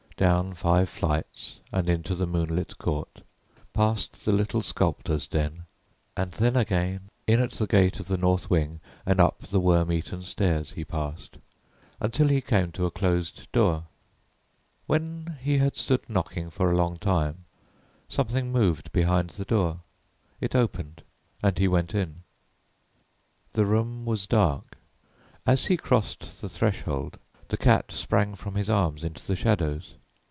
Down five flights and into the moonlit court, past the little sculptor's den, and then again in at the gate of the north wing and up the worm eaten stairs he passed, until he came to a closed door. When he had stood knocking for a long time, something moved behind the door; it opened and he went in. The room was dark. As he crossed the threshold, the cat sprang from his arms into the shadows.